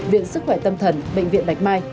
viện sức khỏe tâm thần bệnh viện bạch mai